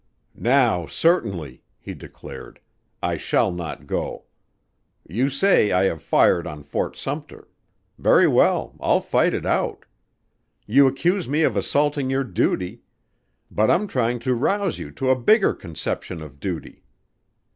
"Now certainly," he declared, "I shall not go. You say I have fired on Fort Sumpter very well, I'll fight it out. You accuse me of assaulting your duty, but I'm trying to rouse you to a bigger conception of duty.